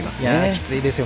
きついですよ。